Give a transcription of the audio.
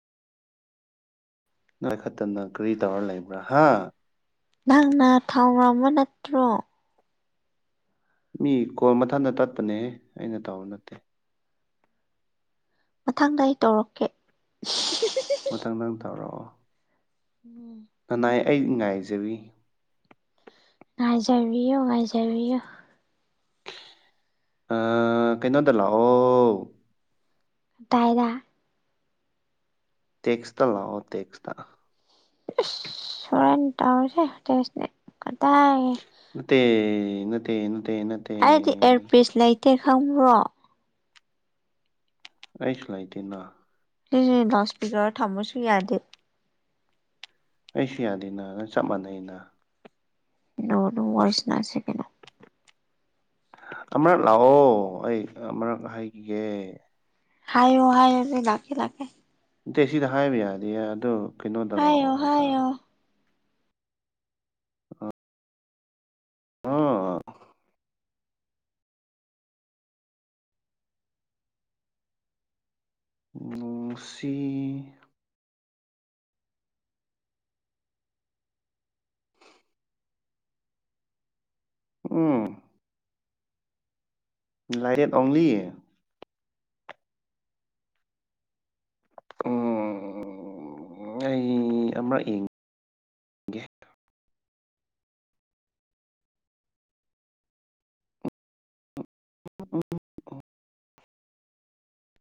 ꯅꯥꯏ ꯈꯠꯇꯅ ꯀꯔꯤ ꯇꯧꯔ ꯂꯩꯕ꯭ꯔꯥ ꯍꯥ ꯅꯪꯅ ꯊꯥꯎꯔ ꯑꯃ ꯅꯠꯇ꯭ꯔꯣ ꯃꯤ ꯀꯣꯜ ꯃꯊꯟꯇ ꯇꯠꯄꯅꯦꯍꯦ ꯑꯩꯅ ꯇꯧꯕ ꯅꯠꯇꯦ ꯃꯊꯪꯗ ꯑꯩ ꯇꯧꯔꯛꯀꯦ꯫ ꯃꯊꯪ ꯅꯪ ꯇꯧꯔꯛꯑꯣ꯫ ꯎꯝ ꯅꯅꯥꯏ ꯑꯩ ꯉꯥꯏꯖꯔꯤ꯫ ꯉꯥꯏꯖꯕꯤꯌꯨ ꯉꯥꯏꯖꯕꯤꯌꯣ꯫ ꯑ ꯀꯩꯅꯣꯗ ꯂꯥꯛꯑꯣ꯫ ꯀꯗꯥꯏꯗ꯫ ꯇꯦꯛꯁꯇ ꯂꯥꯛꯑꯣ ꯇꯦꯛꯁꯇ꯫ ꯑꯁ ꯍꯣꯔꯦꯟ ꯇꯧꯔꯁꯤ ꯇꯦꯛꯁꯇꯤ ꯀꯗꯥꯥꯏ ꯅꯠꯇꯦ ꯅꯠꯇꯦ ꯅꯠꯇꯦ ꯅꯠ ꯑꯩꯗꯤ ꯑꯦꯌꯔꯄꯤꯁ ꯂꯩꯇꯦ ꯈꯪꯕ꯭ꯔꯣ꯫ ꯑꯩꯁꯨ ꯂꯩꯇꯦꯅ꯫ ꯁꯤꯁꯦ ꯂꯥꯎꯠ ꯏꯁꯄꯤꯀꯔ ꯊꯝꯕꯁꯨ ꯌꯥꯗꯦ꯫ ꯑꯩꯁꯨ ꯌꯥꯗꯦꯅ ꯅꯪꯒ ꯆꯞ ꯃꯥꯟꯅꯩꯩꯅ꯫ ꯑꯅꯧ ꯑꯅꯧꯕ ꯋꯥꯔꯤ ꯁꯅꯥꯁꯦ ꯀꯔꯤꯅꯣ꯫ ꯑꯃꯔꯛ ꯂꯥꯛꯑꯣ ꯑꯩ ꯑꯃꯔꯛ ꯍꯥꯏꯕꯤꯒꯦ꯫ ꯍꯥꯏꯌꯨ ꯍꯥꯏꯌꯨ ꯂꯣꯏ ꯂꯥꯛ ꯂꯥꯛꯀꯦ꯫ ꯗꯦ ꯁꯤꯗ ꯍꯥꯏꯕ ꯌꯥꯗꯦꯌꯦ ꯑꯗꯨ ꯀꯩꯅꯣꯗ ꯍꯥꯏꯌꯣ ꯂꯥꯛꯑꯣ ꯍꯥꯏꯌꯣ ꯍꯥꯏꯇꯕ꯫ ꯑ꯫ ꯑꯥ꯫ ꯑꯣꯁꯤ꯫ ꯎꯝ꯫ ꯂꯥꯏꯔꯦꯠ ꯑꯣꯡꯂꯤ꯫ ꯎꯝ ꯑꯩ ꯑꯃ ꯏ [inaudible]